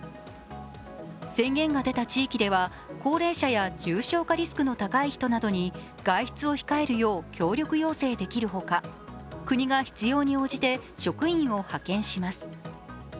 宣言が出た地域では、高齢者や重症化リスクの高い人などに外出を控えるよう協力要請できる他国が必要に応じて職員を派遣します。